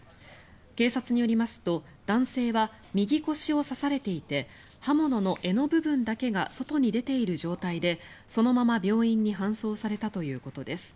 警察によりますと男性は右腰を刺されていて刃物の柄の部分だけが外に出ている状態でそのまま病院に搬送されたということです。